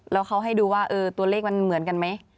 แล้วเขาให้ดูว่าตัวเลขมันเหมือนกันไหม